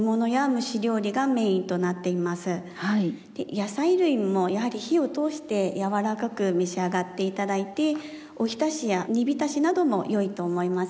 野菜類もやはり火を通して柔らかく召し上がって頂いてお浸しや煮浸しなどもよいと思います。